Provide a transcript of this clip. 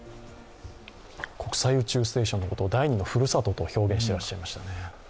国際宇宙ステーションのことを第２のふるさとと表現していらっしゃいました。